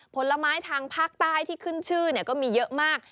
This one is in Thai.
ผลไม้ทางภาคใต้ที่ขึ้นชื่อก็มีเยอะมาก